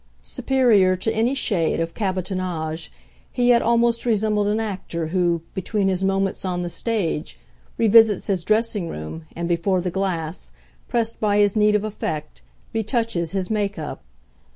Superior to any shade of cabotinage, he yet almost resembled an actor who, between his moments on the stage, revisits his dressing room and, before the glass, pressed by his need of effect, retouches his make up.